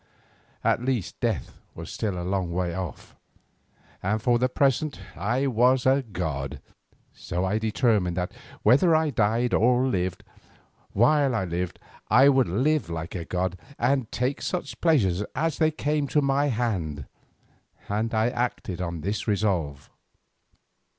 At least death was still a long way off, and for the present I was a god. So I determined that whether I died or lived, while I lived I would live like a god and take such pleasures as came to my hand, and I acted on this resolve.